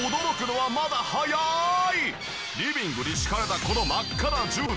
リビングに敷かれたこの真っ赤なじゅうたん。